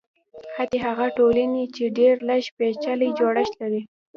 حتی هغه ټولنې چې ډېر لږ پېچلی جوړښت لري.